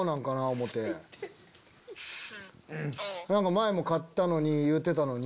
前も買ったのに言うてたのに。